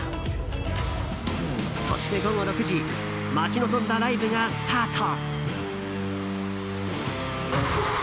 そして午後６時待ち望んだライブがスタート。